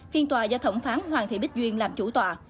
phiên tòa do thẩm phán hoàng thị bích duyên làm chủ tòa